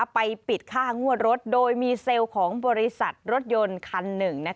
ไปปิดค่างวดรถโดยมีเซลล์ของบริษัทรถยนต์คันหนึ่ง